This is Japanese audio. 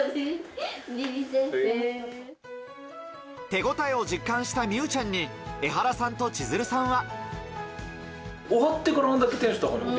手応えを実感した美羽ちゃんにエハラさんと千鶴さんは。